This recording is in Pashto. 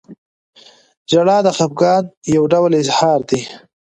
• ژړا د خفګان یو ډول اظهار دی.